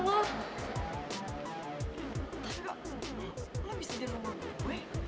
tapi kak lo bisa di rumah gue